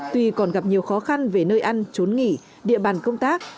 tuy còn gặp nhiều khó khăn về nơi ăn trốn nghỉ địa bàn công tác